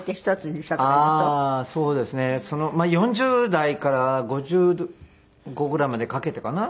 ４０代から５５ぐらいまでかけてかな。